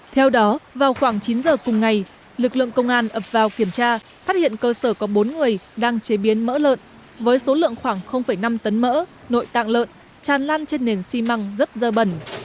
theo đó vào khoảng chín giờ cùng ngày lực lượng công an ập vào kiểm tra phát hiện cơ sở có bốn người đang chế biến mỡ lợn với số lượng khoảng năm tấn mỡ nội tạng lợn tràn lan trên nền xi măng rất dơ bẩn